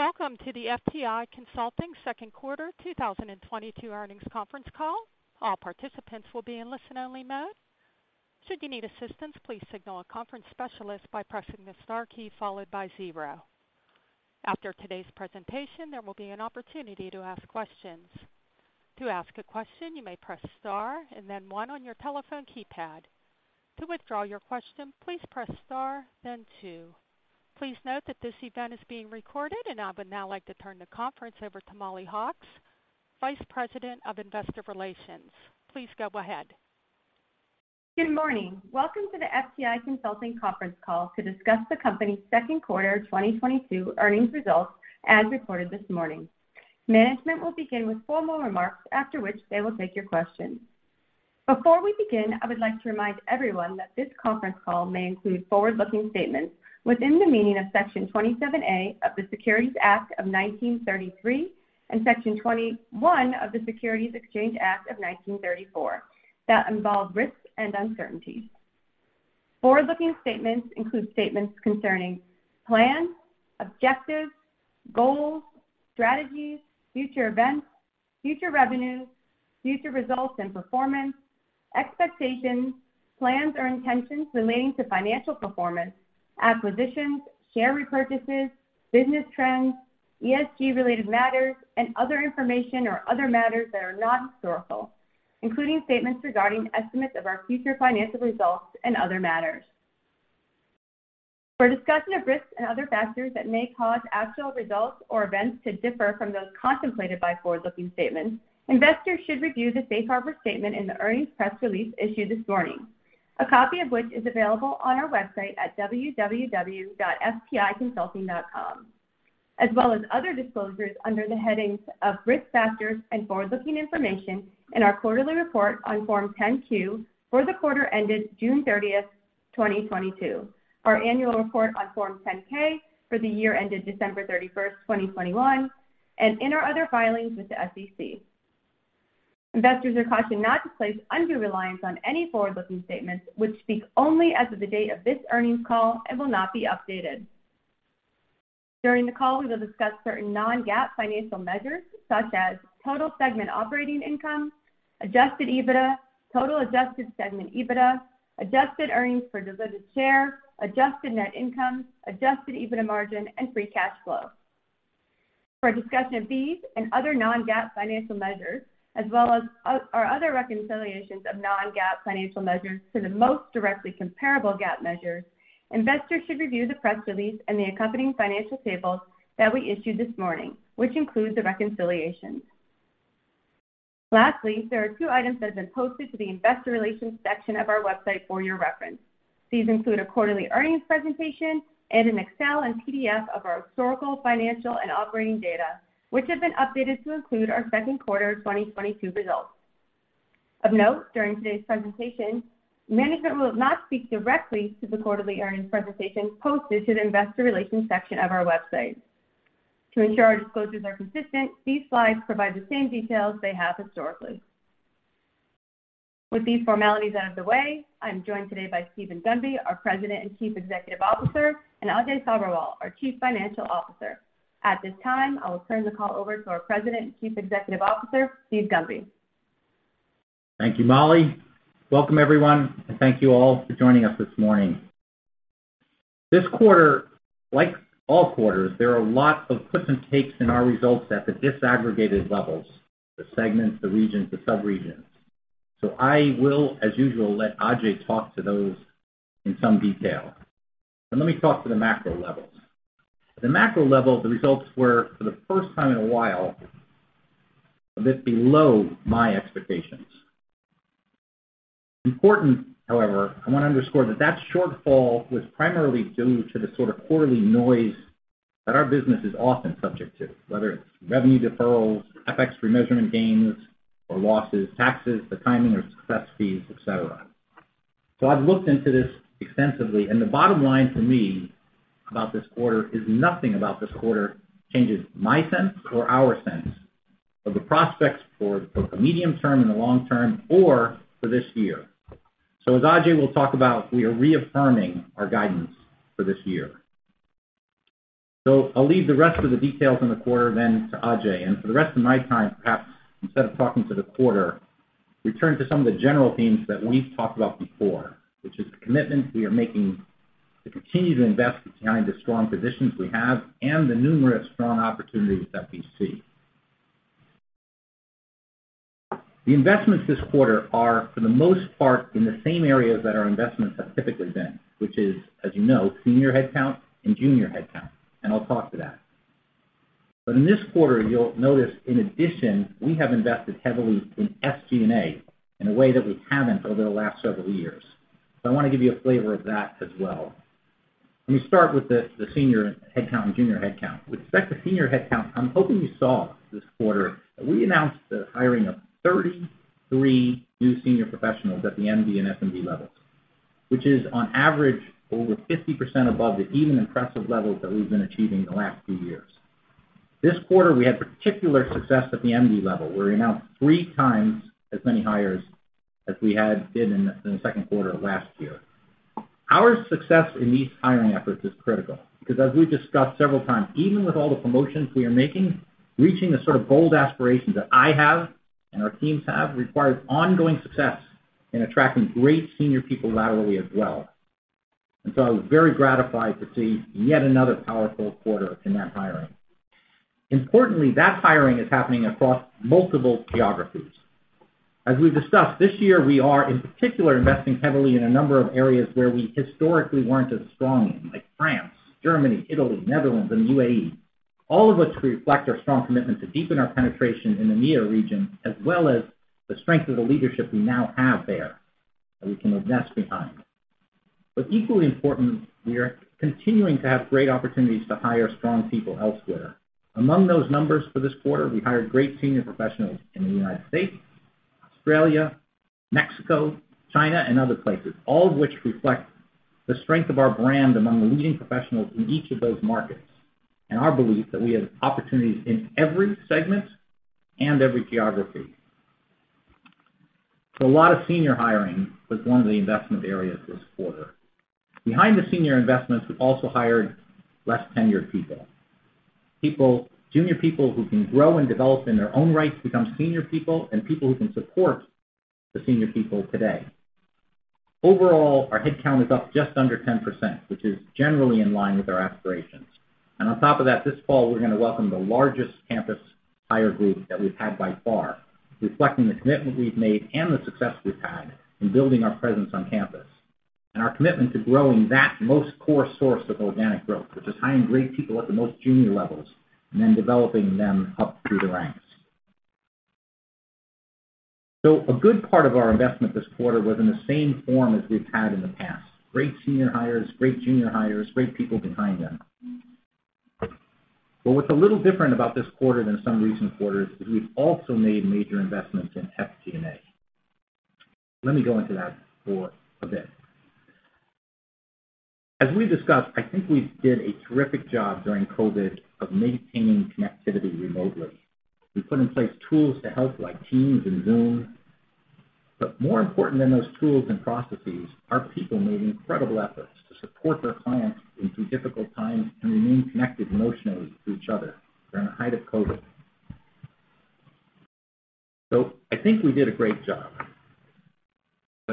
Welcome to the FTI Consulting second quarter 2022 earnings conference call. All participants will be in listen-only mode. Should you need assistance, please signal a conference specialist by pressing the star key followed by zero. After today's presentation, there will be an opportunity to ask questions. To ask a question, you may press star and then one on your telephone keypad. To withdraw your question, please press star then two. Please note that this event is being recorded, and I would now like to turn the conference over to Mollie Hawkes, Vice President of Investor Relations. Please go ahead. Good morning. Welcome to the FTI Consulting conference call to discuss the company's second quarter 2022 earnings results as reported this morning. Management will begin with formal remarks after which they will take your questions. Before we begin, I would like to remind everyone that this conference call may include forward-looking statements within the meaning of Section 27A of the Securities Act of 1933 and Section 21 of the Securities Exchange Act of 1934 that involve risks and uncertainties. Forward-looking statements include statements concerning plans, objectives, goals, strategies, future events, future revenues, future results and performance, expectations, plans or intentions relating to financial performance, acquisitions, share repurchases, business trends, ESG-related matters, and other information or other matters that are not historical, including statements regarding estimates of our future financial results and other matters. For a discussion of risks and other factors that may cause actual results or events to differ from those contemplated by forward-looking statements, investors should review the safe harbor statement in the earnings press release issued this morning, a copy of which is available on our website at www.fticonsulting.com, as well as other disclosures under the headings of Risk Factors and Forward-Looking Information in our quarterly report on Form 10-Q for the quarter ended June 30, 2022, our annual report on Form 10-K for the year ended December 31, 2021, and in our other filings with the SEC. Investors are cautioned not to place undue reliance on any forward-looking statements which speak only as of the date of this earnings call and will not be updated. During the call, we will discuss certain non-GAAP financial measures such as total segment operating income, adjusted EBITDA, total adjusted segment EBITDA, adjusted earnings per diluted share, adjusted net income, adjusted EBITDA margin and free cash flow. For a discussion of these and other non-GAAP financial measures, as well as other reconciliations of non-GAAP financial measures to the most directly comparable GAAP measures, investors should review the press release and the accompanying financial tables that we issued this morning, which includes the reconciliations. Lastly, there are two items that have been posted to the investor relations section of our website for your reference. These include a quarterly earnings presentation and an Excel and PDF of our historical, financial, and operating data, which have been updated to include our second quarter 2022 results. Of note, during today's presentation, management will not speak directly to the quarterly earnings presentation posted to the investor relations section of our website. To ensure our disclosures are consistent, these slides provide the same details they have historically. With these formalities out of the way, I'm joined today by Steven Gunby, our President and Chief Executive Officer, and Ajay Sabherwal, our Chief Financial Officer. At this time, I will turn the call over to our President and Chief Executive Officer, Steve Gunby. Thank you, Mollie. Welcome, everyone, and thank you all for joining us this morning. This quarter, like all quarters, there are lots of puts and takes in our results at the disaggregated levels, the segments, the regions, the sub-regions. I will, as usual, let Ajay talk to those in some detail. But let me talk to the macro levels. At the macro level, the results were, for the first time in a while, a bit below my expectations. Important, however, I want to underscore that that shortfall was primarily due to the sort of quarterly noise that our business is often subject to, whether it's revenue deferrals, FX remeasurement gains or losses, taxes, the timing of success fees, et cetera. I've looked into this extensively, and the bottom line for me about this quarter is nothing about this quarter changes my sense or our sense of the prospects for both the medium term and the long term or for this year. As Ajay will talk about, we are reaffirming our guidance for this year. I'll leave the rest of the details in the quarter then to Ajay. For the rest of my time, perhaps instead of talking to the quarter, return to some of the general themes that we've talked about before, which is the commitment we are making to continue to invest behind the strong positions we have and the numerous strong opportunities that we see. The investments this quarter are, for the most part, in the same areas that our investments have typically been, which is, as you know, senior headcount and junior headcount. I'll talk to that. In this quarter, you'll notice in addition, we have invested heavily in SG&A in a way that we haven't over the last several years. I want to give you a flavor of that as well. Let me start with the senior headcount and junior headcount. With respect to senior headcount, I'm hoping you saw this quarter that we announced the hiring of 33 new senior professionals at the MD and SMD levels, which is on average over 50% above the even impressive levels that we've been achieving the last few years. This quarter, we had particular success at the MD level. We announced three times as many hires as we did in the second quarter of last year. Our success in these hiring efforts is critical because as we've discussed several times, even with all the promotions we are making, reaching the sort of bold aspirations that I have and our teams have requires ongoing success in attracting great senior people laterally as well. I was very gratified to see yet another powerful quarter in that hiring. Importantly, that hiring is happening across multiple geographies. As we've discussed, this year we are in particular investing heavily in a number of areas where we historically weren't as strong in, like France, Germany, Italy, Netherlands, and the UAE. All of which reflect our strong commitment to deepen our penetration in the EMEA region, as well as the strength of the leadership we now have there that we can invest behind. Equally important, we are continuing to have great opportunities to hire strong people elsewhere. Among those numbers for this quarter, we hired great senior professionals in the United States, Australia, Mexico, China, and other places, all of which reflect the strength of our brand among the leading professionals in each of those markets, and our belief that we have opportunities in every segment and every geography. A lot of senior hiring was one of the investment areas this quarter. Behind the senior investments, we also hired less tenured people. Junior people who can grow and develop in their own right to become senior people and people who can support the senior people today. Overall, our headcount is up just under 10%, which is generally in line with our aspirations. On top of that, this fall, we're gonna welcome the largest campus hire group that we've had by far, reflecting the commitment we've made and the success we've had in building our presence on campus. Our commitment to growing that most core source of organic growth, which is hiring great people at the most junior levels and then developing them up through the ranks. A good part of our investment this quarter was in the same form as we've had in the past. Great senior hires, great junior hires, great people behind them. What's a little different about this quarter than some recent quarters is we've also made major investments in SG&A. Let me go into that for a bit. As we discussed, I think we did a terrific job during COVID of maintaining connectivity remotely. We put in place tools to help like Teams and Zoom. More important than those tools and processes, our people made incredible efforts to support their clients through difficult times and remain connected emotionally to each other during the height of COVID. I think we did a great job.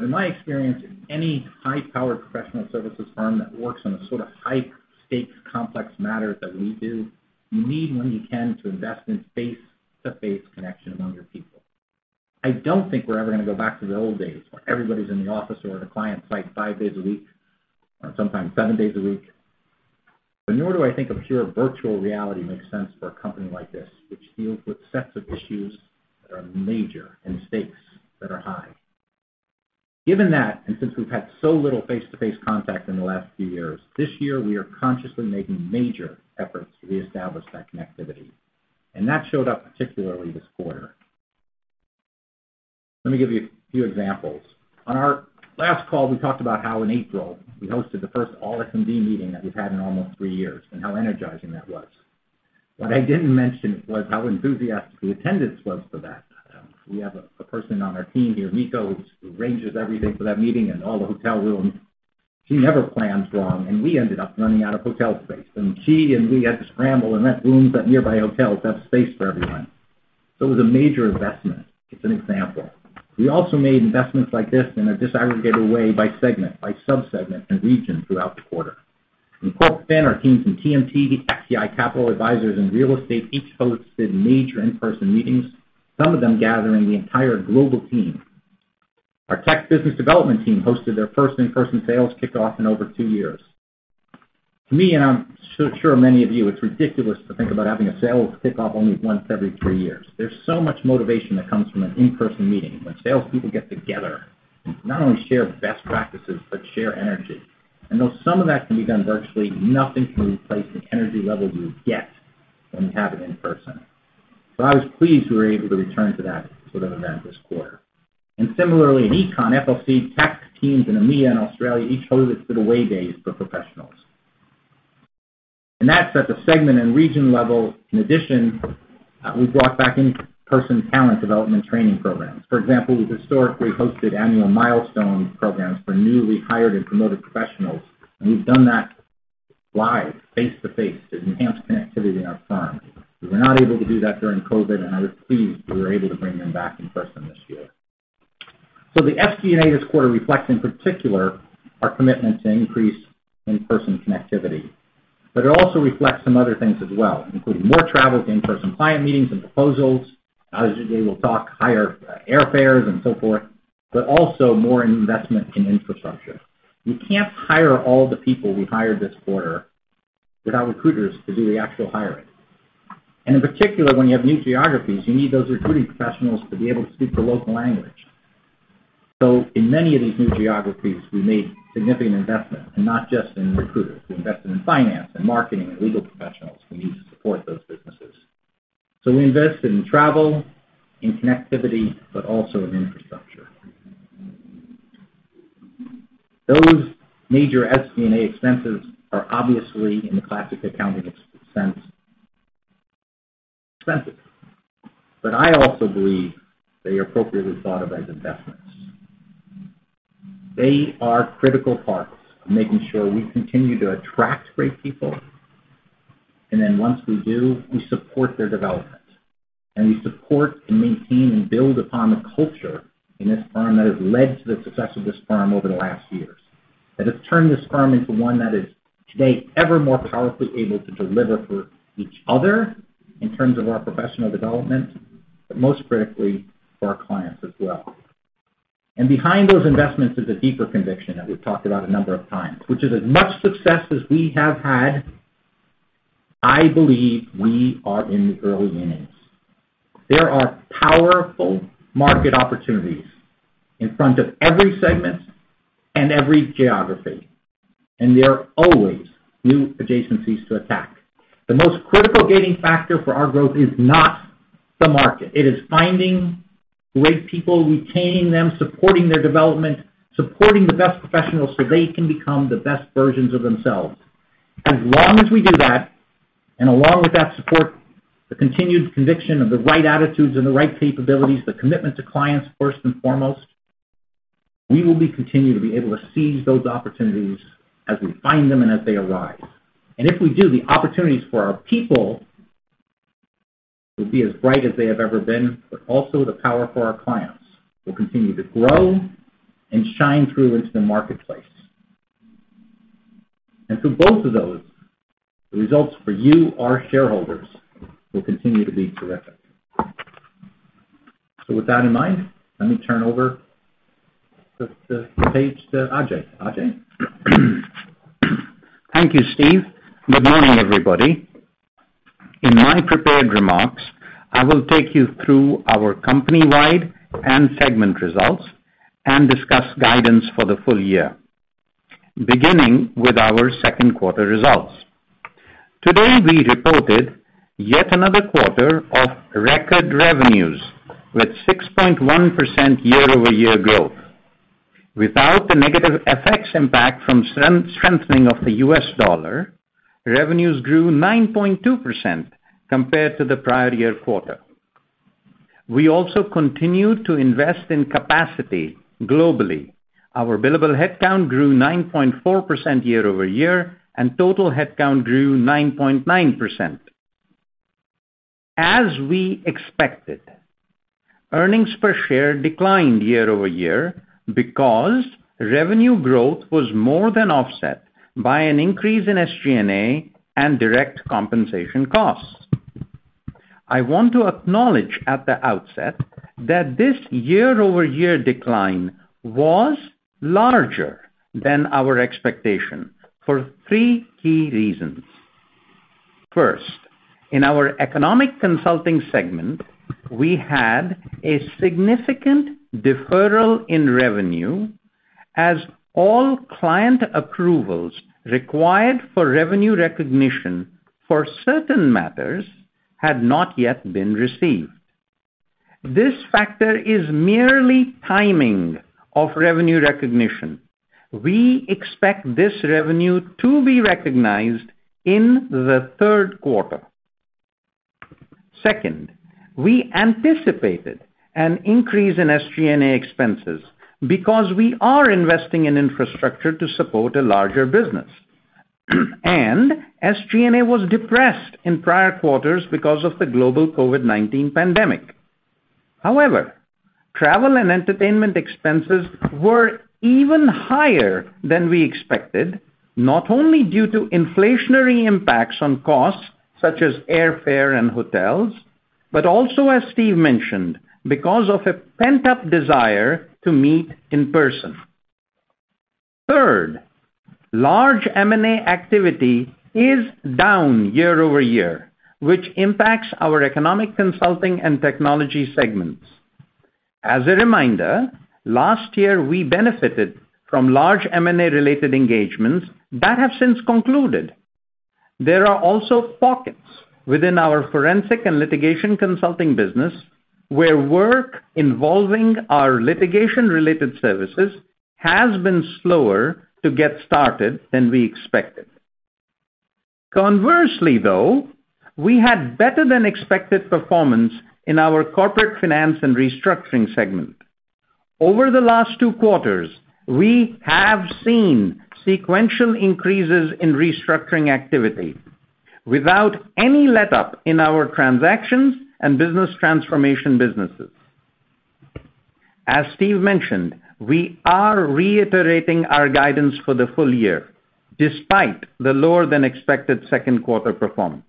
In my experience, any high-powered professional services firm that works on the sort of high-stakes complex matters that we do, you need when you can to invest in face-to-face connection among your people. I don't think we're ever gonna go back to the old days where everybody's in the office or at a client site five days a week, or sometimes seven days a week. Nor do I think a pure virtual reality makes sense for a company like this, which deals with sets of issues that are major and stakes that are high. Given that, and since we've had so little face-to-face contact in the last few years, this year we are consciously making major efforts to reestablish that connectivity. That showed up particularly this quarter. Let me give you a few examples. On our last call, we talked about how in April, we hosted the first all-FTI meeting that we've had in almost three years and how energizing that was. What I didn't mention was how enthusiastic the attendance was for that. We have a person on our team here, [Nico], who arranges everything for that meeting and all the hotel rooms. She never plans wrong, and we ended up running out of hotel space, and she and we had to scramble and rent rooms at nearby hotels to have space for everyone. It was a major investment. It's an example. We also made investments like this in a disaggregated way by segment, by sub-segment, and region throughout the quarter. In Corp Fin, our teams in TMT, FTI Capital Advisors, and Real Estate each hosted major in-person meetings, some of them gathering the entire global team. Our tech business development team hosted their first in-person sales kickoff in over two years. To me, and I'm so sure many of you, it's ridiculous to think about having a sales kickoff only once every three years. There's so much motivation that comes from an in-person meeting when salespeople get together and not only share best practices, but share energy. Though some of that can be done virtually, nothing can replace the energy level you get when you have it in person. I was pleased we were able to return to that sort of event this quarter. Similarly at Econ, FLC tech teams in EMEA and Australia each hosted away days for professionals. That's at the segment and region level. In addition, we brought back in-person talent development training programs. For example, we've historically hosted annual milestone programs for newly hired and promoted professionals, and we've done that live, face-to-face, to enhance connectivity in our firm. We were not able to do that during COVID, and I was pleased we were able to bring them back in person this year. The SG&A this quarter reflects, in particular, our commitment to increase in-person connectivity. It also reflects some other things as well, including more travel to in-person client meetings and proposals. As you know, higher airfares and so forth, but also more investment in infrastructure. We can't hire all the people we hired this quarter without recruiters to do the actual hiring. In particular, when you have new geographies, you need those recruiting professionals to be able to speak the local language. In many of these new geographies, we made significant investments, and not just in recruiters. We invested in finance and marketing and legal professionals we need to support those businesses. We invested in travel, in connectivity, but also in infrastructure. Those major SG&A expenses are obviously, in the classic accounting sense, expensive. I also believe they are appropriately thought of as investments. They are critical parts of making sure we continue to attract great people. Once we do, we support their development, and we support and maintain and build upon the culture in this firm that has led to the success of this firm over the last years. That has turned this firm into one that is today ever more powerfully able to deliver for each other in terms of our professional development, but most critically for our clients as well. Behind those investments is a deeper conviction that we've talked about a number of times, which is as much success as we have had, I believe we are in the early innings. There are powerful market opportunities in front of every segment and every geography, and there are always new adjacencies to attack. The most critical gating factor for our growth is not the market. It is finding great people, retaining them, supporting their development, supporting the best professionals so they can become the best versions of themselves. As long as we do that, and along with that support, the continued conviction of the right attitudes and the right capabilities, the commitment to clients first and foremost, we will be continuing to be able to seize those opportunities as we find them and as they arise. If we do, the opportunities for our people will be as bright as they have ever been. Also the power for our clients will continue to grow and shine through into the marketplace. Both of those results for you, our shareholders, will continue to be terrific. With that in mind, let me turn over the page to Ajay. Ajay. Thank you, Steve. Good morning, everybody. In my prepared remarks, I will take you through our company-wide and segment results and discuss guidance for the full year, beginning with our second quarter results. Today, we reported yet another quarter of record revenues with 6.1% year-over-year growth. Without the negative FX impact from strengthening of the U.S. dollar, revenues grew 9.2% compared to the prior year quarter. We also continued to invest in capacity globally. Our billable headcount grew 9.4% year-over-year, and total headcount grew 9.9%. As we expected, earnings per share declined year-over-year because revenue growth was more than offset by an increase in SG&A and direct compensation costs. I want to acknowledge at the outset that this year-over-year decline was larger than our expectation for three key reasons. First, in our Economic Consulting segment, we had a significant deferral in revenue as all client approvals required for revenue recognition for certain matters had not yet been received. This factor is merely timing of revenue recognition. We expect this revenue to be recognized in the third quarter. Second, we anticipated an increase in SG&A expenses because we are investing in infrastructure to support a larger business, and SG&A was depressed in prior quarters because of the global COVID-19 pandemic. However, travel and entertainment expenses were even higher than we expected, not only due to inflationary impacts on costs such as airfare and hotels, but also, as Steve mentioned, because of a pent-up desire to meet in person. Third, large M&A activity is down year-over-year, which impacts our Economic Consulting and Technology segments. As a reminder, last year, we benefited from large M&A-related engagements that have since concluded. There are also pockets within our Forensic and Litigation Consulting business where work involving our litigation-related services has been slower to get started than we expected. Conversely, though, we had better than expected performance in our Corporate Finance and Restructuring segment. Over the last two quarters, we have seen sequential increases in restructuring activity without any letup in our transactions and business transformation businesses. As Steve mentioned, we are reiterating our guidance for the full year despite the lower than expected second quarter performance.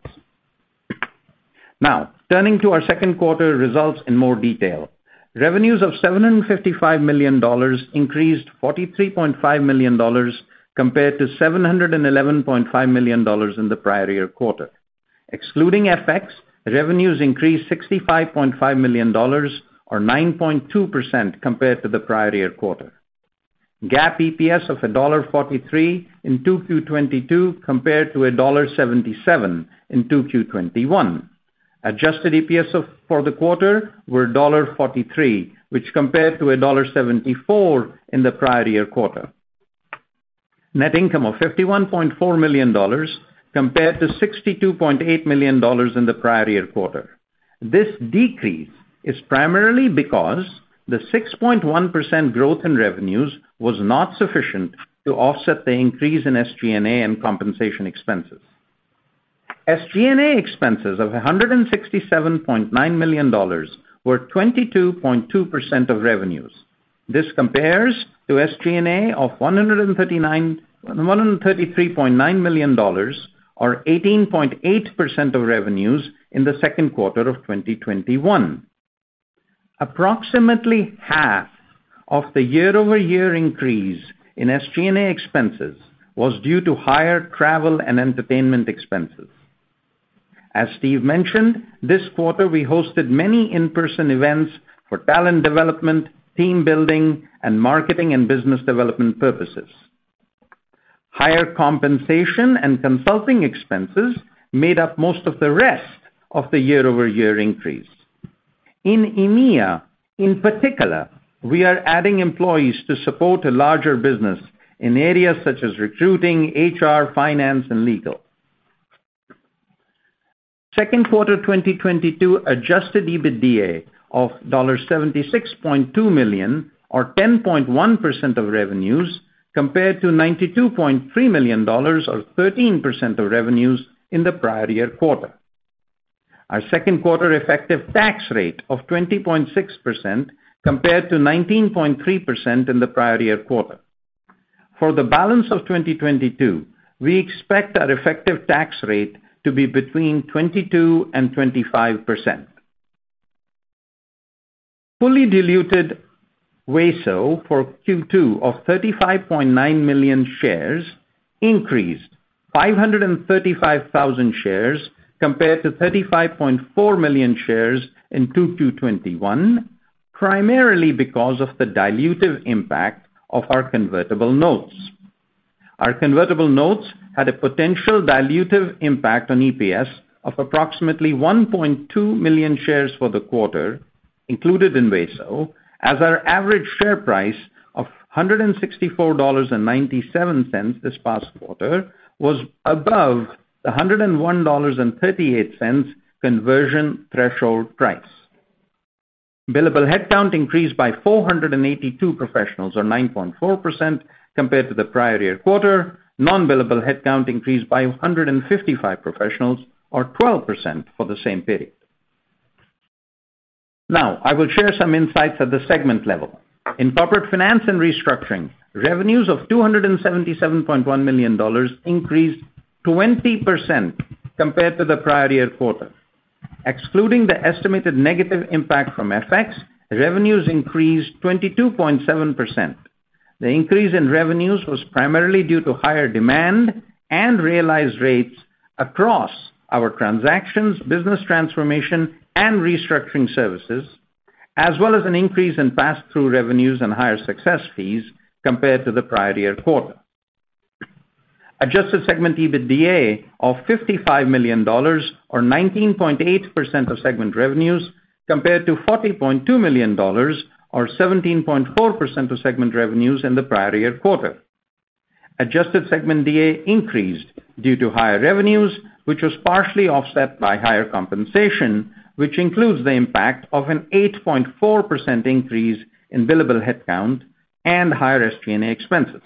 Now, turning to our second quarter results in more detail. Revenues of $755 million increased $43.5 million compared to $711.5 million in the prior year quarter. Excluding FX, revenues increased $65.5 million or 9.2% compared to the prior year quarter. GAAP EPS of $1.43 in 2Q22 compared to $1.77 in 2Q21. Adjusted EPS for the quarter were $1.43, which compared to $1.74 in the prior year quarter. Net income of $51.4 million compared to $62.8 million in the prior year quarter. This decrease is primarily because the 6.1% growth in revenues was not sufficient to offset the increase in SG&A and compensation expenses. SG&A expenses of $167.9 million were 22.2% of revenues. This compares to SG&A of $133.9 million or 18.8% of revenues in the second quarter of 2021. Approximately half of the year-over-year increase in SG&A expenses was due to higher travel and entertainment expenses. As Steve mentioned, this quarter we hosted many in-person events for talent development, team building, and marketing, and business development purposes. Higher compensation and consulting expenses made up most of the rest of the year-over-year increase. In EMEA, in particular, we are adding employees to support a larger business in areas such as recruiting, HR, finance, and legal. Second quarter 2022 adjusted EBITDA of $76.2 million or 10.1% of revenues compared to $92.3 million or 13% of revenues in the prior year quarter. Our second quarter effective tax rate of 20.6% compared to 19.3% in the prior year quarter. For the balance of 2022, we expect our effective tax rate to be between 22% and 25%. Fully diluted WASO for Q2 of 35.9 million shares increased 535,000 shares compared to 35.4 million shares in 2Q 2021, primarily because of the dilutive impact of our convertible notes. Our convertible notes had a potential dilutive impact on EPS of approximately 1.2 million shares for the quarter included in WASO as our average share price of $164.97 this past quarter was above the $101.38 conversion threshold price. Billable headcount increased by 482 professionals or 9.4% compared to the prior year quarter. Non-billable headcount increased by 155 professionals or 12% for the same period. Now, I will share some insights at the segment level. In Corporate Finance & Restructuring, revenues of $277.1 million increased 20% compared to the prior-year quarter. Excluding the estimated negative impact from FX, revenues increased 22.7%. The increase in revenues was primarily due to higher demand and realized rates across our transactions, business transformation and restructuring services, as well as an increase in pass-through revenues and higher success fees compared to the prior-year quarter. Adjusted segment EBITDA of $55 million or 19.8% of segment revenues compared to $40.2 million or 17.4% of segment revenues in the prior-year quarter. Adjusted segment EBITDA increased due to higher revenues, which was partially offset by higher compensation, which includes the impact of an 8.4% increase in billable headcount and higher SG&A expenses.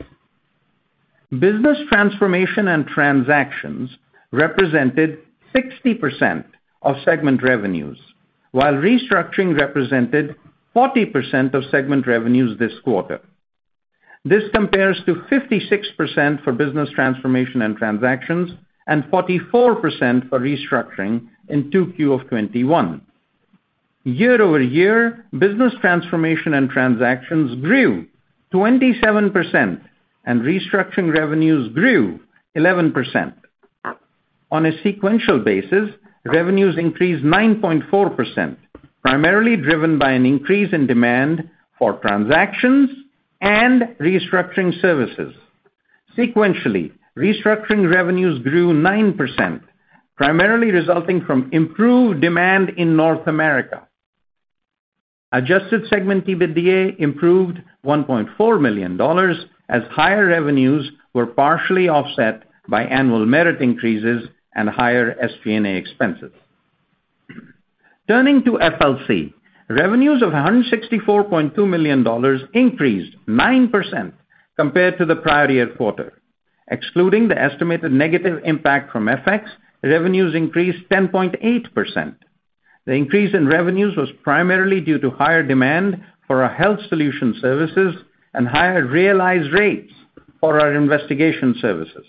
Business transformation and transactions represented 60% of segment revenues, while restructuring represented 40% of segment revenues this quarter. This compares to 56% for business transformation and transactions and 44% for restructuring in 2Q 2021. Year-over-year, business transformation and transactions grew 27% and restructuring revenues grew 11%. On a sequential basis, revenues increased 9.4%, primarily driven by an increase in demand for transactions and restructuring services. Sequentially, restructuring revenues grew 9%, primarily resulting from improved demand in North America. Adjusted segment EBITDA improved $1.4 million as higher revenues were partially offset by annual merit increases and higher SG&A expenses. Turning to FLC, revenues of $164.2 million increased 9% compared to the prior year quarter. Excluding the estimated negative impact from FX, revenues increased 10.8%. The increase in revenues was primarily due to higher demand for our Health Solutions services and higher realized rates for our investigation services.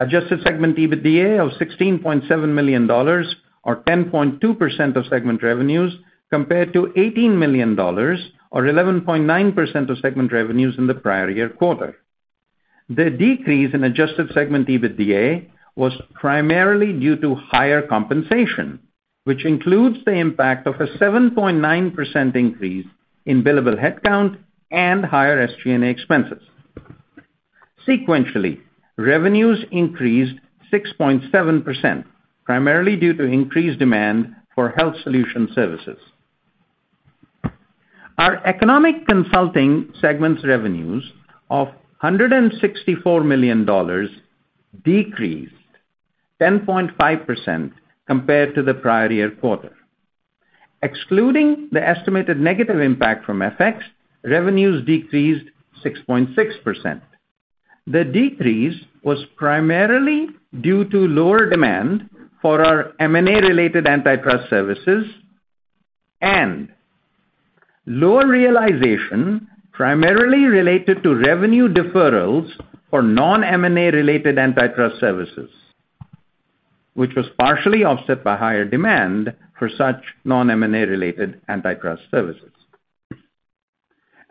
Adjusted segment EBITDA of $16.7 million or 10.2% of segment revenues compared to $18 million or 11.9% of segment revenues in the prior year quarter. The decrease in adjusted segment EBITDA was primarily due to higher compensation, which includes the impact of a 7.9% increase in billable headcount and higher SG&A expenses. Sequentially, revenues increased 6.7%, primarily due to increased demand for Health Solutions services. Our economic consulting segment's revenues of $164 million decreased 10.5% compared to the prior year quarter. Excluding the estimated negative impact from FX, revenues decreased 6.6%. The decrease was primarily due to lower demand for our M&A related antitrust services and lower realization primarily related to revenue deferrals for non-M&A related antitrust services, which was partially offset by higher demand for such non-M&A related antitrust services.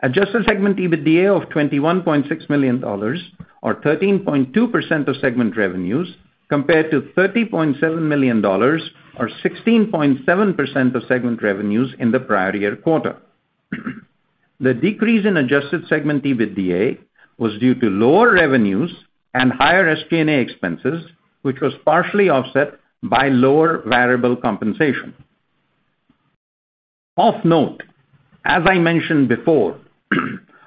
Adjusted segment EBITDA of $21.6 million or 13.2% of segment revenues compared to $30.7 million or 16.7% of segment revenues in the prior year quarter. The decrease in adjusted segment EBITDA was due to lower revenues and higher SG&A expenses, which was partially offset by lower variable compensation. Of note, as I mentioned before,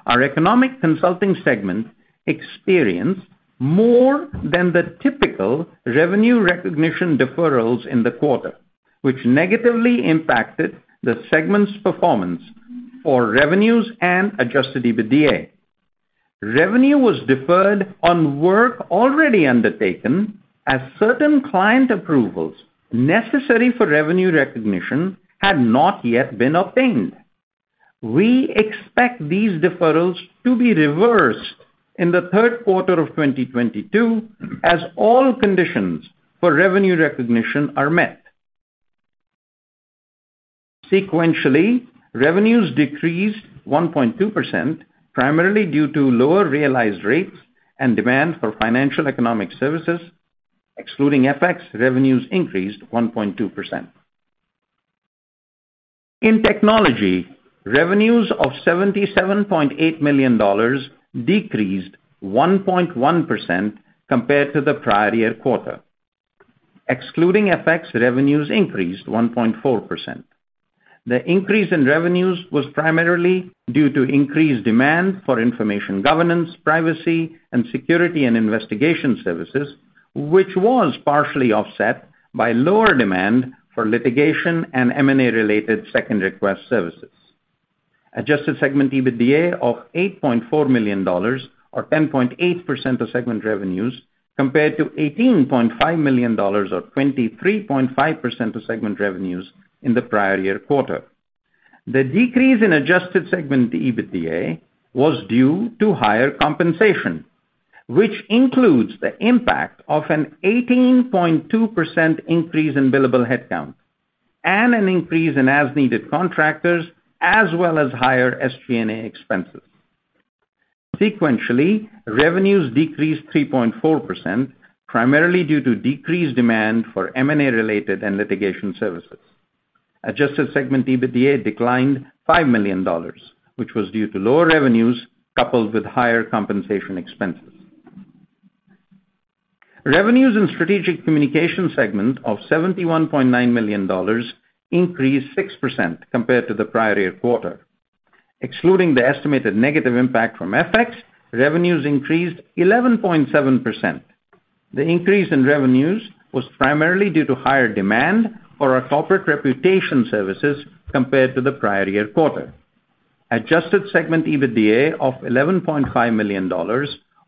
our Economic Consulting segment experienced more than the typical revenue recognition deferrals in the quarter, which negatively impacted the segment's performance for revenues and adjusted EBITDA. Revenue was deferred on work already undertaken as certain client approvals necessary for revenue recognition had not yet been obtained. We expect these deferrals to be reversed in the third quarter of 2022 as all conditions for revenue recognition are met. Sequentially, revenues decreased 1.2% primarily due to lower realized rates and demand for financial and economic services. Excluding FX, revenues increased 1.2%. In Technology, revenues of $77.8 million decreased 1.1% compared to the prior year quarter. Excluding FX, revenues increased 1.4%. The increase in revenues was primarily due to increased demand for information governance, privacy, and security and investigation services, which was partially offset by lower demand for litigation and M&A related second request services. Adjusted segment EBITDA of $8.4 million or 10.8% of segment revenues compared to $18.5 million or 23.5% of segment revenues in the prior year quarter. The decrease in adjusted segment EBITDA was due to higher compensation, which includes the impact of an 18.2% increase in billable headcount and an increase in as-needed contractors, as well as higher SG&A expenses. Sequentially, revenues decreased 3.4% primarily due to decreased demand for M&A related and litigation services. Adjusted segment EBITDA declined $5 million, which was due to lower revenues coupled with higher compensation expenses. Revenues in Strategic Communications segment of $71.9 million increased 6% compared to the prior year quarter. Excluding the estimated negative impact from FX, revenues increased 11.7%. The increase in revenues was primarily due to higher demand for our Corporate Reputation services compared to the prior year quarter. Adjusted segment EBITDA of $11.5 million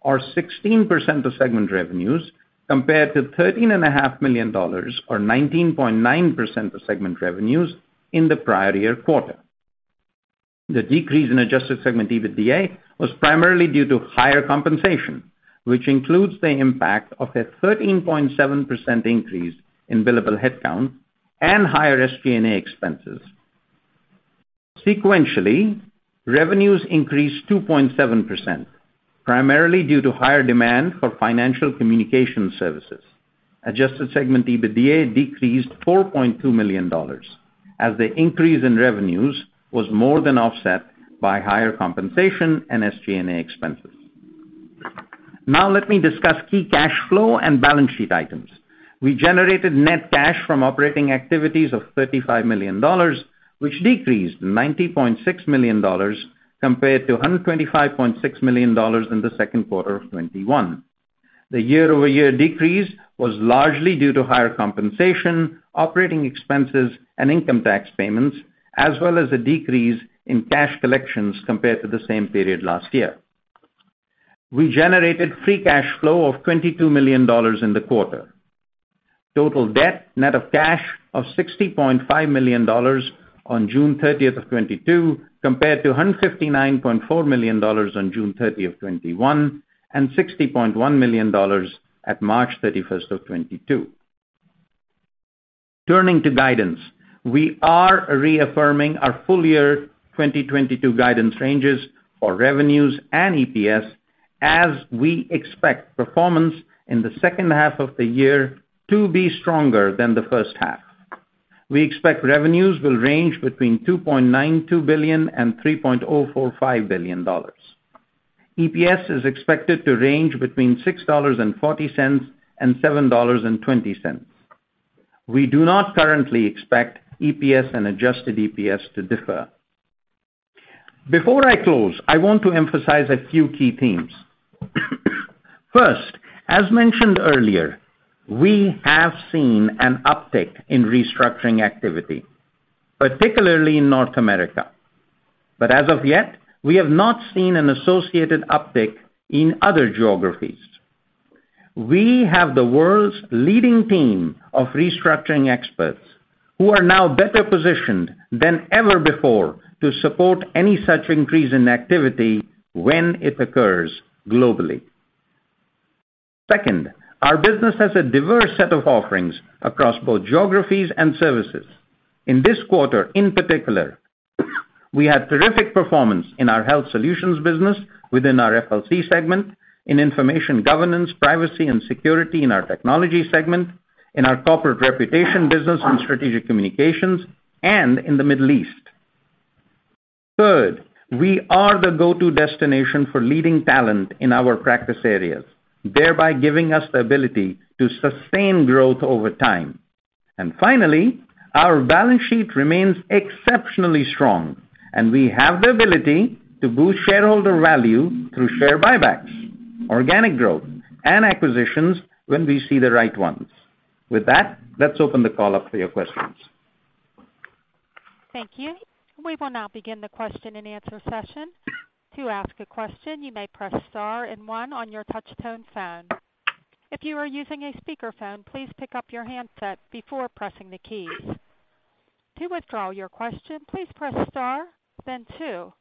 or 16% of segment revenues compared to $13.5 million or 19.9% of segment revenues in the prior year quarter. The decrease in adjusted segment EBITDA was primarily due to higher compensation, which includes the impact of a 13.7% increase in billable headcount and higher SG&A expenses. Sequentially, revenues increased 2.7%, primarily due to higher demand for Financial Communications services. Adjusted segment EBITDA decreased $4.2 million as the increase in revenues was more than offset by higher compensation and SG&A expenses. Now let me discuss key cash flow and balance sheet items. We generated net cash from operating activities of $35 million, which decreased $90.6 million compared to $125.6 million in the second quarter of 2021. The year-over-year decrease was largely due to higher compensation, operating expenses, and income tax payments, as well as a decrease in cash collections compared to the same period last year. We generated free cash flow of $22 million in the quarter. Total debt net of cash of $60 million on June 30, 2022 compared to $159.4 million on June 30, 2021, and $60.1 million at March 31, 2022. Turning to guidance, we are reaffirming our full-year 2022 guidance ranges for revenues and EPS as we expect performance in the second half of the year to be stronger than the first half. We expect revenues will range between $2.92 billion and $3.045 billion. EPS is expected to range between $6.40 and $7.20. We do not currently expect EPS and adjusted EPS to differ. Before I close, I want to emphasize a few key themes. First, as mentioned earlier, we have seen an uptick in restructuring activity, particularly in North America. As of yet, we have not seen an associated uptick in other geographies. We have the world's leading team of restructuring experts who are now better positioned than ever before to support any such increase in activity when it occurs globally. Second, our business has a diverse set of offerings across both geographies and services. In this quarter, in particular, we had terrific performance in our health solutions business within our FLC segment, in information governance, privacy, and security in our technology segment, in our Corporate Reputation business and strategic communications, and in the Middle East. Third, we are the go-to destination for leading talent in our practice areas, thereby giving us the ability to sustain growth over time. Finally, our balance sheet remains exceptionally strong, and we have the ability to boost shareholder value through share buybacks, organic growth, and acquisitions when we see the right ones. With that, let's open the call up for your questions. Thank you. We will now begin the question-and-answer session. To ask a question, you may press star and one on your touch-tone phone. If you are using a speakerphone, please pick up your handset before pressing the keys. To withdraw your question, please press star, then two.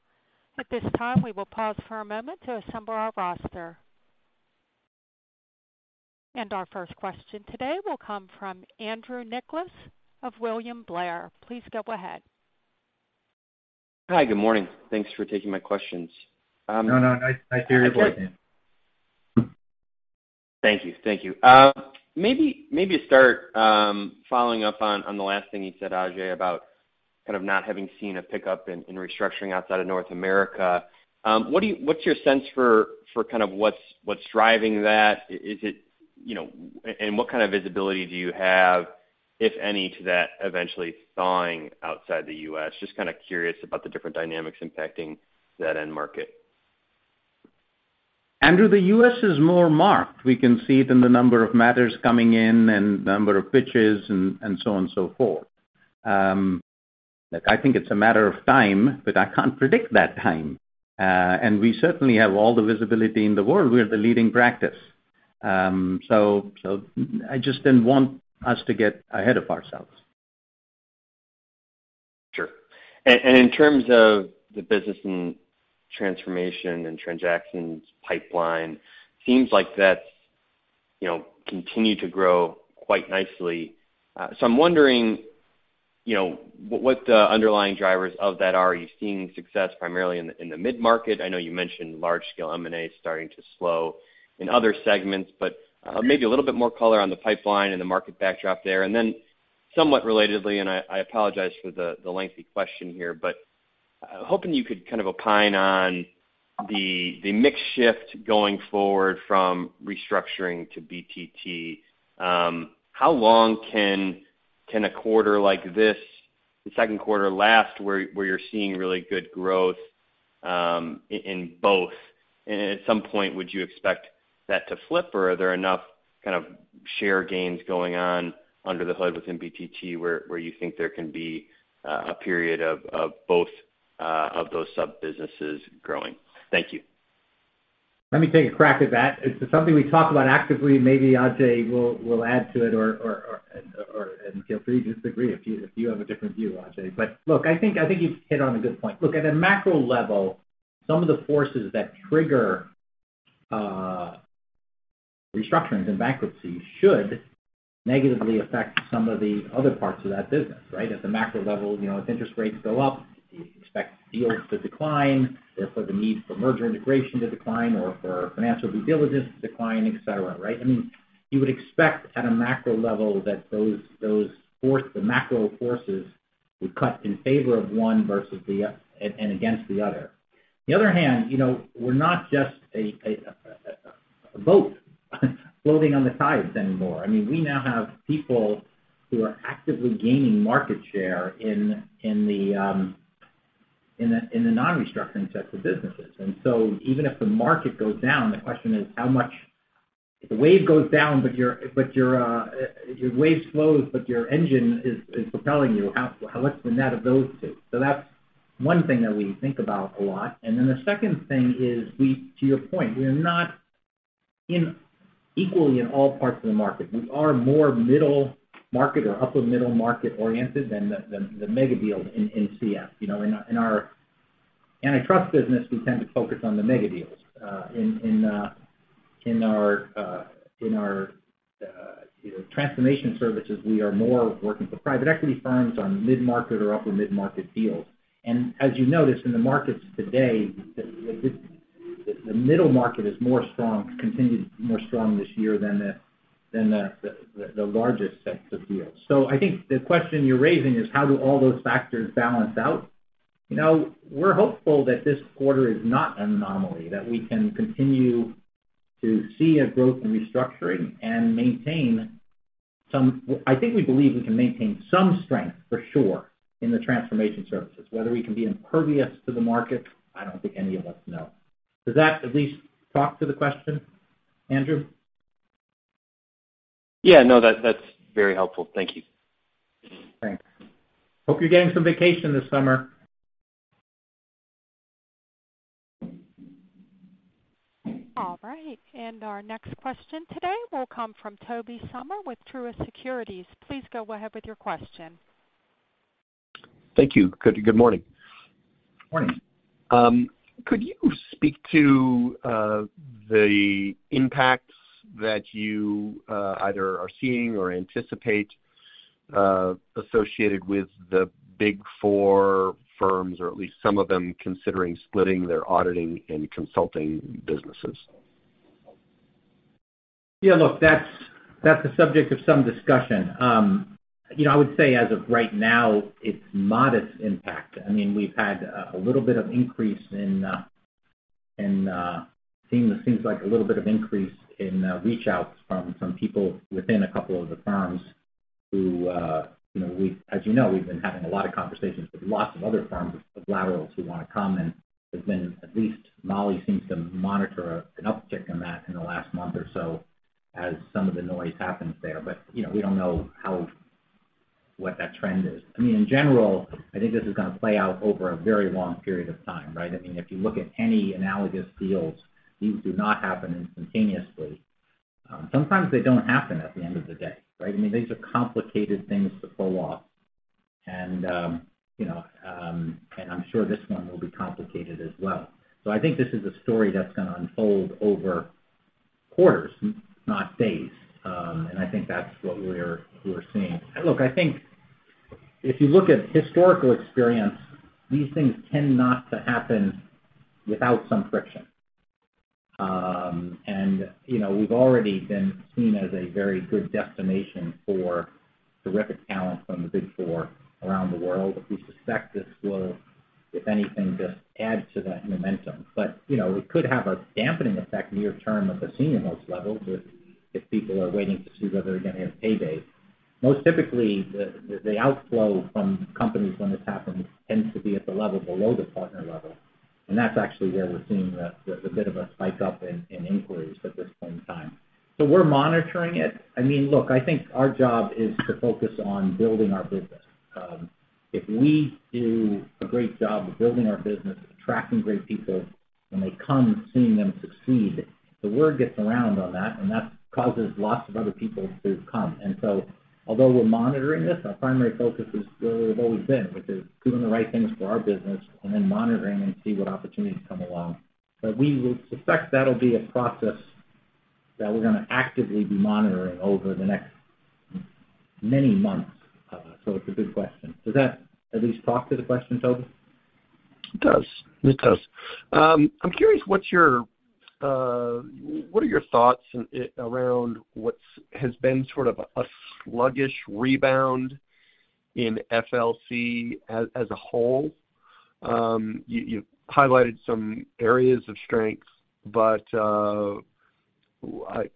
At this time, we will pause for a moment to assemble our roster. Our first question today will come from Andrew Nicholas of William Blair. Please go ahead. Hi. Good morning. Thanks for taking my questions. No, no. Nice to hear your voice. Thank you. Maybe to start, following up on the last thing you said, Ajay, about kind of not having seen a pickup in restructuring outside of North America. What's your sense for kind of what's driving that? Is it? What kind of visibility do you have, if any, to that eventually thawing outside the U.S.? Just kind of curious about the different dynamics impacting that end market. Andrew, the U.S. is more marked. We can see it in the number of matters coming in and number of pitches and so on and so forth. Look, I think it's a matter of time, but I can't predict that time. We certainly have all the visibility in the world. We are the leading practice. I just didn't want us to get ahead of ourselves. Sure. In terms of the business and transformation and transactions pipeline, seems like that's, you know, continued to grow quite nicely. So I'm wondering, you know, what the underlying drivers of that are. Are you seeing success primarily in the mid-market? I know you mentioned large-scale M&A starting to slow in other segments, but maybe a little bit more color on the pipeline and the market backdrop there. Then somewhat relatedly, I apologize for the lengthy question here, but hoping you could kind of opine on the mix shift going forward from restructuring to BTT. How long can a quarter like this, the second quarter, last, where you're seeing really good growth in both? At some point, would you expect that to flip, or are there enough kind of share gains going on under the hood within BTT where you think there can be a period of both of those sub-businesses growing? Thank you. Let me take a crack at that. It's something we talk about actively. Maybe Ajay will add to it, and feel free to disagree if you have a different view, Ajay. Look, I think you've hit on a good point. Look, at a macro level, some of the forces that trigger restructurings and bankruptcies should negatively affect some of the other parts of that business, right? At the macro level, you know, if interest rates go up, you expect yields to decline, therefore the need for merger integration to decline or for financial due diligence to decline, et cetera, right? I mean, you would expect at a macro level that the macro forces would cut in favor of one versus the other. the other hand, you know, we're not just a boat floating on the tides anymore. I mean, we now have people who are actively gaining market share in the non-restructuring sets of businesses. Even if the market goes down, the question is how much. If the wave goes down, but your wave slows, but your engine is propelling you, how much can that ability to. That's one thing that we think about a lot. To your point, we are not equally in all parts of the market. We are more middle market or upper middle market-oriented than the mega deal in CF, you know. In our antitrust business, we tend to focus on the mega deals. You know, in our transformation services, we are more working for private equity firms on mid-market or upper mid-market deals. As you noticed in the markets today, the middle market is more strong, continued more strong this year than the largest sets of deals. I think the question you're raising is how do all those factors balance out? You know, we're hopeful that this quarter is not an anomaly, that we can continue to see a growth in restructuring and I think we believe we can maintain some strength for sure in the transformation services. Whether we can be impervious to the market, I don't think any of us know. Does that at least talk to the question, Andrew? Yeah. No, that's very helpful. Thank you. Thanks. Hope you're getting some vacation this summer. All right. Our next question today will come from Tobey Sommer with Truist Securities. Please go ahead with your question. Thank you. Good morning. Morning. Could you speak to the impacts that you either are seeing or anticipate associated with the Big Four firms, or at least some of them considering splitting their auditing and consulting businesses? Yeah, look, that's a subject of some discussion. You know, I would say as of right now, it's modest impact. I mean, we've had a little bit of increase in reach outs from people within a couple of the firms who, you know, as you know, we've been having a lot of conversations with lots of other firms of laterals who wanna come. There's been at least Mollie seems to monitor an uptick in that in the last month or so as some of the noise happens there. You know, we don't know how what that trend is. I mean, in general, I think this is gonna play out over a very long period of time, right? I mean, if you look at any analogous deals, these do not happen instantaneously. Sometimes they don't happen at the end of the day, right? I mean, these are complicated things to pull off. You know, and I'm sure this one will be complicated as well. I think this is a story that's gonna unfold over quarters, not days. I think that's what we're seeing. Look, I think if you look at historical experience, these things tend not to happen without some friction. You know, we've already been seen as a very good destination for terrific talent from the Big Four around the world. We suspect this will, if anything, just add to that momentum. You know, it could have a dampening effect near term at the senior-most levels if people are waiting to see whether they're gonna have paydays. Most typically, the outflow from companies when this happens tends to be at the level below the partner level, and that's actually where we're seeing the bit of a spike up in inquiries at this point in time. We're monitoring it. I mean, look, I think our job is to focus on building our business. If we do a great job of building our business, attracting great people, when they come, seeing them succeed, the word gets around on that, and that causes lots of other people to come. Although we're monitoring this, our primary focus is where we've always been, which is doing the right things for our business and then monitoring and see what opportunities come along. We will expect that'll be a process that we're gonna actively be monitoring over the next many months. It's a good question. Does that at least talk to the question, Tobey? It does. I'm curious, what are your thoughts around what has been sort of a sluggish rebound in FLC as a whole? You highlighted some areas of strength, but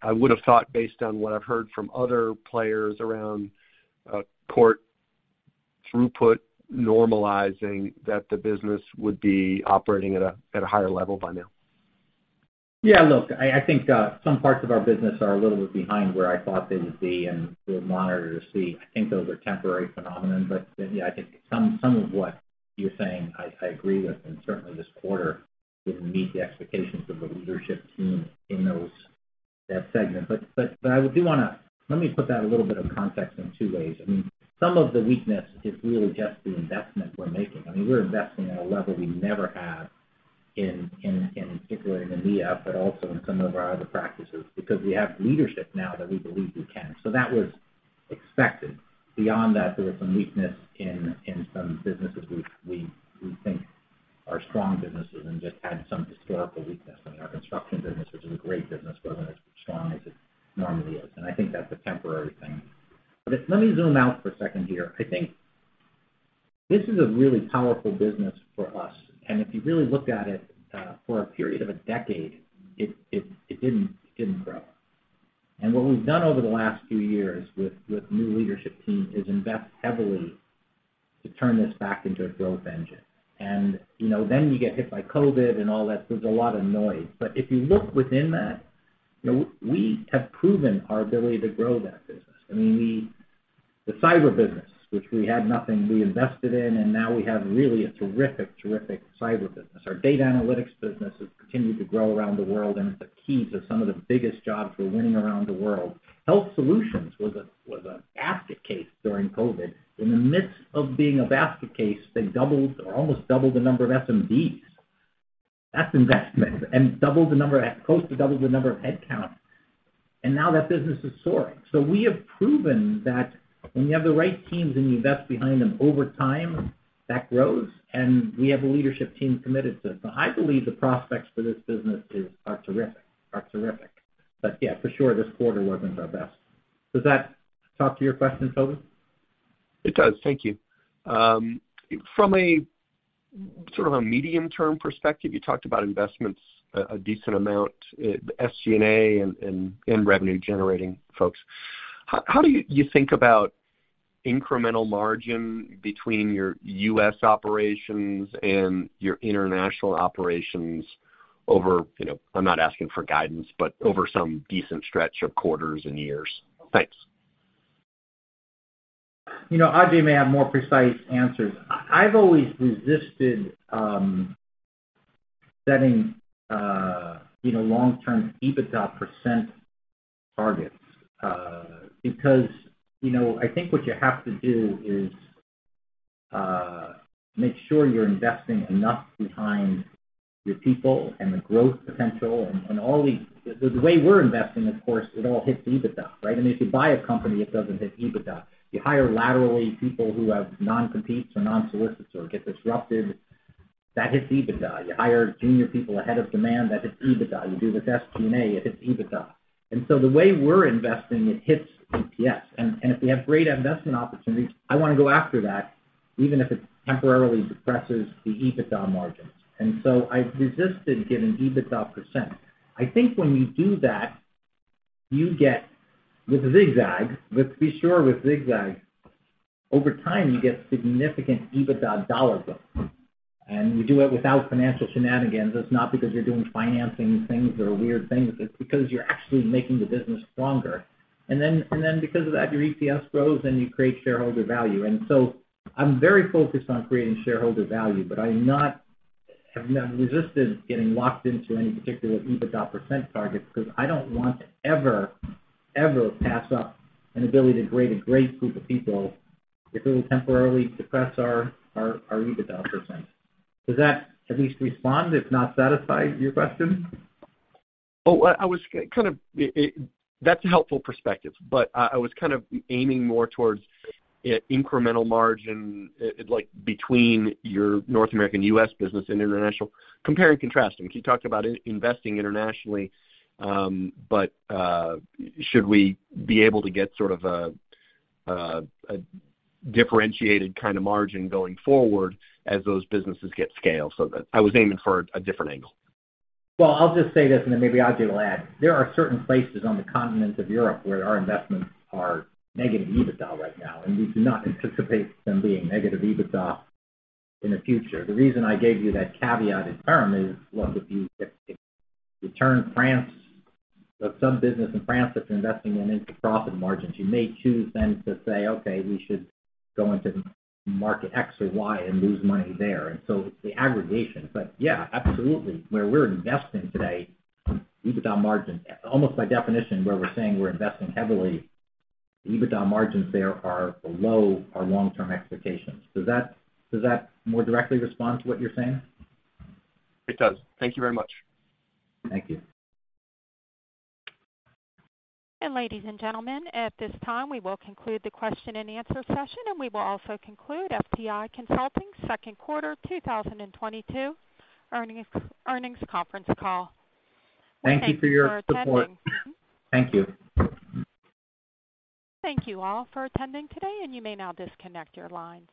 I would've thought based on what I've heard from other players around court throughput normalizing that the business would be operating at a higher level by now. Yeah, look, I think some parts of our business are a little bit behind where I thought they would be, and we'll monitor to see. I think those are temporary phenomenon. Yeah, I think some of what you're saying, I agree with, and certainly this quarter didn't meet the expectations of the leadership team in that segment. I do wanna let me put that in a little bit of context in two ways. I mean, some of the weakness is really just the investment we're making. I mean, we're investing at a level we never have in particular in EMEA, but also in some of our other practices because we have leadership now that we believe we can. That was expected. Beyond that, there was some weakness in some businesses we think are strong businesses and just had some historical weakness. I mean, our construction business, which is a great business, wasn't as strong as it normally is, and I think that's a temporary thing. Let me zoom out for a second here. I think this is a really powerful business for us. If you really looked at it, for a period of a decade, it didn't grow. What we've done over the last few years with new leadership team is invest heavily to turn this back into a growth engine. You know, then you get hit by COVID and all that. There's a lot of noise. If you look within that, you know, we have proven our ability to grow that business. I mean, the cyber business, which we had nothing, we invested in, and now we have really a terrific cyber business. Our data analytics business has continued to grow around the world, and it's a key to some of the biggest jobs we're winning around the world. Health Solutions was a basket case during COVID. In the midst of being a basket case, they doubled or almost doubled the number of SMDs. That's investment. Close to doubled the number of headcount. Now that business is soaring. We have proven that when you have the right teams and you invest behind them over time, that grows, and we have a leadership team committed to it. I believe the prospects for this business are terrific, are terrific. Yeah, for sure, this quarter wasn't our best. Does that talk to your question, Tobey? It does. Thank you. From a sort of medium-term perspective, you talked about investments, a decent amount, SG&A and revenue-generating folks. How do you think about incremental margin between your U.S. operations and your international operations over, you know, I'm not asking for guidance, but over some decent stretch of quarters and years? Thanks. You know, Ajay may have more precise answers. I've always resisted setting you know, long-term EBITDA percent targets because you know, I think what you have to do is make sure you're investing enough behind your people and the growth potential and all these. The way we're investing, of course, it all hits EBITDA, right? I mean, if you buy a company, it doesn't hit EBITDA. You hire laterally people who have non-competes or non-solicits or get disrupted, that hits EBITDA. You hire junior people ahead of demand, that hits EBITDA. You do with SG&A, it hits EBITDA. The way we're investing, it hits EPS. If we have great investment opportunities, I wanna go after that, even if it temporarily depresses the EBITDA margins. I've resisted giving EBITDA percent. I think when you do that, you get some zigzags. Let's be clear, with zigzags over time, you get significant EBITDA dollar growth. We do it without financial shenanigans. It's not because you're doing financing things or weird things. It's because you're actually making the business stronger. Then because of that, your EPS grows, and you create shareholder value. So I'm very focused on creating shareholder value, but I have resisted getting locked into any particular EBITDA percentage targets 'cause I don't want to ever pass up an ability to hire a great group of people if it will temporarily depress our EBITDA percentage. Does that at least respond, if not satisfy your question? That's a helpful perspective, but I was kind of aiming more towards incremental margin, like between your North American US business and international compare and contrast. I mean, you talked about investing internationally, but should we be able to get sort of a differentiated kind of margin going forward as those businesses get scale? That I was aiming for a different angle. Well, I'll just say this, and then maybe Ajay will add. There are certain places on the continent of Europe where our investments are negative EBITDA right now, and we do not anticipate them being negative EBITDA in the future. The reason I gave you that caveated term is, well, if you turn France or some business in France that's investing and into profit margins, you may choose then to say, "Okay, we should go into market X or Y and lose money there." It's the aggregation. Yeah, absolutely. Where we're investing today, EBITDA margins. Almost by definition, where we're saying we're investing heavily, EBITDA margins there are below our long-term expectations. Does that more directly respond to what you're saying? It does. Thank you very much. Thank you. Ladies and gentlemen, at this time, we will conclude the question and answer session, and we will also conclude FTI Consulting second quarter 2022 earnings conference call. Thank you for your support. Thank you for attending. Thank you. Thank you all for attending today, and you may now disconnect your lines.